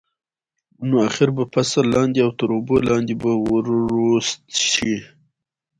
نو اخر به فصل لاندې او تر اوبو لاندې به وروست شي.